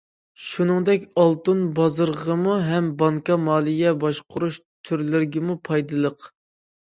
شۇنىڭدەك ئالتۇن بازىرىغىمۇ ھەم بانكا مالىيە باشقۇرۇش تۈرلىرىگىمۇ پايدىلىق.